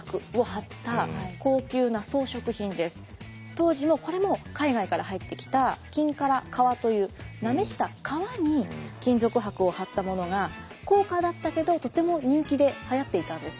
当時もこれも海外から入ってきた金唐革というなめした革に金属箔を貼ったものが高価だったけどとても人気ではやっていたんですね。